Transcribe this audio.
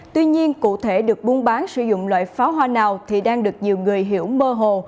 tuy nhiên cụ thể được buôn bán sử dụng loại pháo hoa nào thì đang được nhiều người hiểu mơ hồ